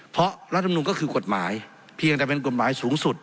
เพราะรัฐมนุนก็คือกฎหมายเพียงแต่เป็นกฎหมายสูงสุด